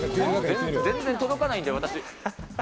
全然届かないんで、私。